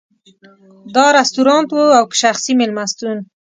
دا رستورانت و او که شخصي مېلمستون.